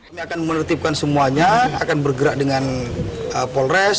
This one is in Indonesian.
kami akan menertibkan semuanya akan bergerak dengan polres